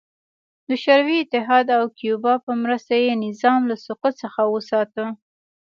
د شوروي اتحاد او کیوبا په مرسته یې نظام له سقوط څخه وساته.